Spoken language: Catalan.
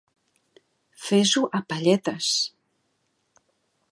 Fer-s'ho a palletes.